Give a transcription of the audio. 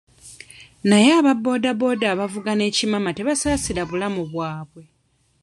Naye aba booda booda abavuga n'ekimama tebasaasira bulamu bwabwe.